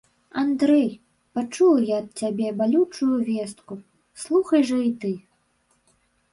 Андрэй, пачула я ад цябе балючую вестку, слухай жа і ты.